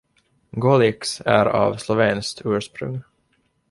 Golics är av slovenskt ursprung.